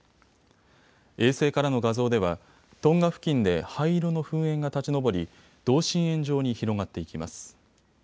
衛星からの画像ではトンガ付近で灰色の噴煙が立ち上り同心円状に広がっていきます。